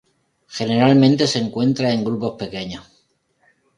Generalmente se encuentra en grupos pequeños.